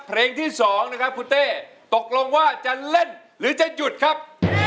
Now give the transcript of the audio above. เพลงที่๒นะครับคุณเต้ตกลงว่าจะเล่นหรือจะหยุดครับ